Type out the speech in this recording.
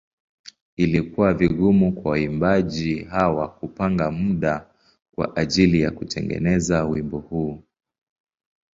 Ilikuwa vigumu kwa waimbaji hawa kupanga muda kwa ajili ya kutengeneza wimbo huu.